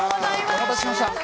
お待たせしました。